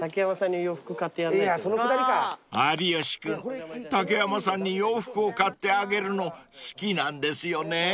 ［有吉君竹山さんに洋服を買ってあげるの好きなんですよね］